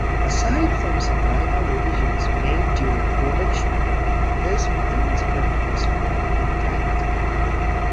Aside from some minor revisions made during production, this final script was filmed intact.